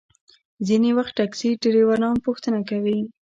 ځینې وخت ټکسي ډریوران پوښتنه کوي.